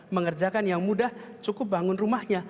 mengerjakan yang mudah cukup bangun rumahnya